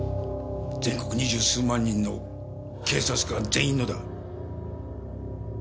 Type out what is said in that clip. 全国二十数万人の警察官全員のだ。